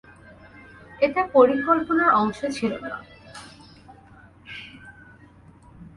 এটা পরিকল্পনার অংশ ছিল না।